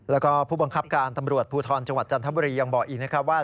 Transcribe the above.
แล้วก็ผู้บังคับการตำรวจภูทรจังหวัดจันทบุรียังบอกอีกนะครับว่า